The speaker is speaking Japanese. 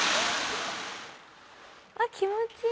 あっ気持ちいい。